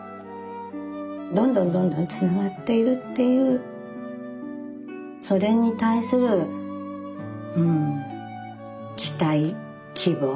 どんどんどんどんつながっているっていうそれに対するうん期待希望うん。